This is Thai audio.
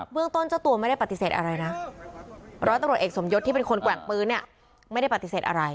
เรื่องต้นเจ้าตัวไม่ได้ปฏิเสธอะไรนะร้อยตำรวจเอกสมยศที่เป็นคนแกว่งปืนเนี่ยไม่ได้ปฏิเสธอะไร